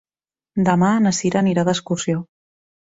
Demà na Cira anirà d'excursió.